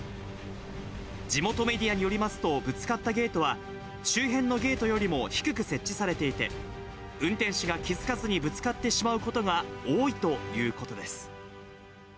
地元メディアによりますと、ぶつかったゲートは、周辺のゲートよりも低く設置されていて、運転手が気付かずにぶつかってしまうことが多いということです。